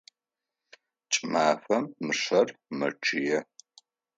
Кӏымафэм мышъэр мэчъые.